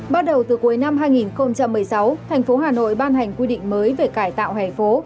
bắt đầu từ cuối năm hai nghìn một mươi sáu thành phố hà nội ban hành quy định mới về cải tạo hẻ phố